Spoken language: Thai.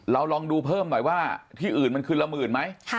ลองดูเพิ่มหน่อยว่าที่อื่นมันคืนละหมื่นไหม